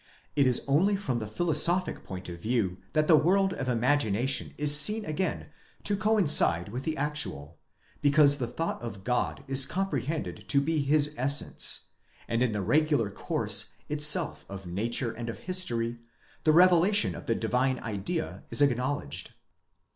It is only from the philoso phic point of view that the world of imagination is seen again to coincide with the actual, because the thought of God is comprehended to be his essence, and in the regular course itself of nature and of history, the revela tion of the divine idea is acknowledged.